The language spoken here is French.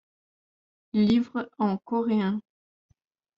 Livres en coréen.